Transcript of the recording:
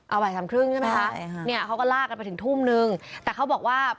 เอาไป๓ครึ่งใช่ไหมคะนี่เขาก็ลากันไปถึงทุ่มนึงแต่เขาบอกว่า